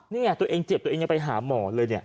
นี่ตัวเองเจ็บตัวเองยังไปหาหมอเลย